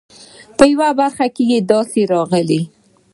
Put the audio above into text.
په یوه برخه کې یې داسې راغلي.